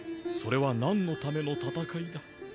それは何のための戦いだ？